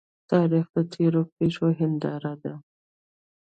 تاریخ د تیرو پیښو هنداره ده.